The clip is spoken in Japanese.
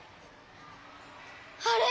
あれ？